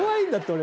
俺。